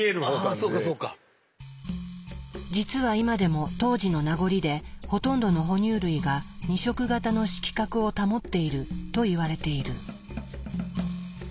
実は今でも当時の名残でほとんどの哺乳類が２色型の色覚を保っていると言われている。